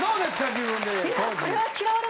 自分で。